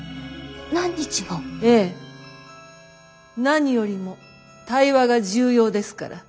何よりも対話が重要ですから。